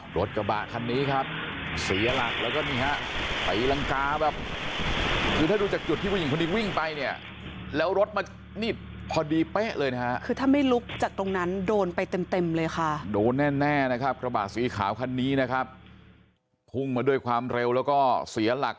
รถกระบะคันนี้ครับเสียหลักแล้วก็มีฮะไฟลังกาแบบไฟลังกาแบบไฟลังกาแบบไฟลังกาแบบไฟลังกาแบบไฟลังกาแบบไฟลังกาแบบไฟลังกาแบบไฟลังกาแบบไฟลังกาแบบไฟลังกาแบบไฟลังกาแบบไฟลังกาแบบไฟลังกาแบบไฟลังกาแบบไฟลังกาแบบไฟลังกาแบบไฟลังก